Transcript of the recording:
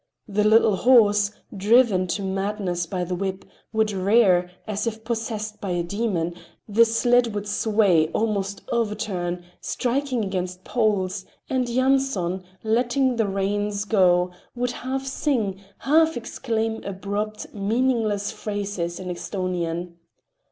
The little horse, driven to madness by the whip, would rear, as if possessed by a demon; the sled would sway, almost overturn, striking against poles, and Yanson, letting the reins go, would half sing, half exclaim abrupt, meaningless phrases in Esthonian.